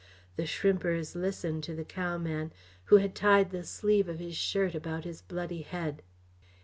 The shrimpers listened to the cowman, who had tied the sleeve of his shirt about his bloody head.